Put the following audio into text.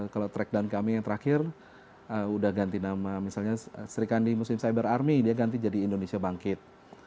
kalau track down kami yang terakhir udah ganti nama misalnya sri kandi muslim cyber army dia ganti jadi indonesia bangkit